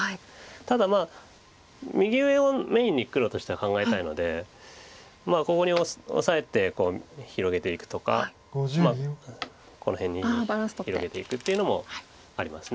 ただ右上をメインに黒としては考えたいのでここにオサえて広げていくとかこの辺に広げていくっていうのもあります。